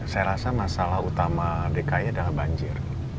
saya rasa masalah utama dki adalah banjir